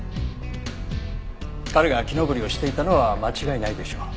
彼が木登りをしていたのは間違いないでしょう。